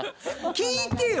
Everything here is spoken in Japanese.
聞いてよ